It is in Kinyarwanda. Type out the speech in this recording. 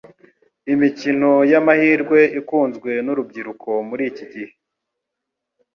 imikino yamahirwe ikunzwe nurubyiruko mur iki gihe